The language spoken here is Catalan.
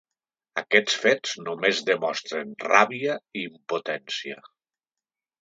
Aquests fets només demostren ràbia i impotència.